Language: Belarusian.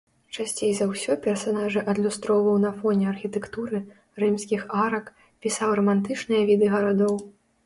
Часцей за ўсё персанажы адлюстроўваў на фоне архітэктуры, рымскіх арак, пісаў рамантычныя віды гарадоў.